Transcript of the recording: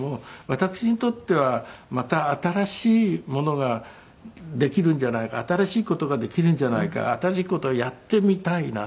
私にとってはまた新しいものができるんじゃないか新しい事ができるんじゃないか新しい事をやってみたいな。